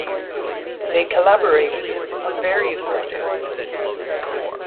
They collaborated on various projects.